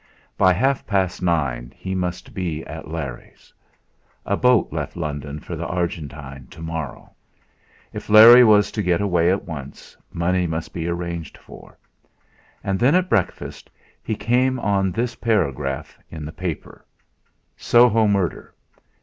By half past nine he must be at Larry's. A boat left London for the Argentine to morrow. If Larry was to get away at once, money must be arranged for. And then at breakfast he came on this paragraph in the paper: "SOHO MURDER.